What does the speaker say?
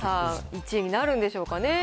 １位になるんでしょうかね。